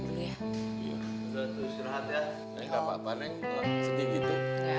udah tau lagi mikir